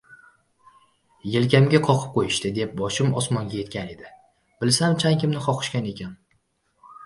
Elkamga qoqib qo‘yishdi deb boshim osmonga yetgan edi, bilsam — changimni qoqishgan ekan.